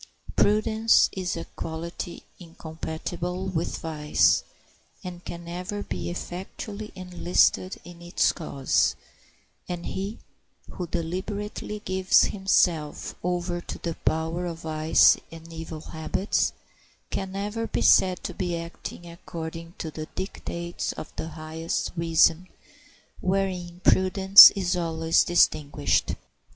Prudence is a quality incompatible with vice, and can never be effectually enlisted in its cause, and he who deliberately gives himself over to the power of vice and evil habits can never be said to be acting according to the dictates of the highest reason, wherein prudence is always distinguished.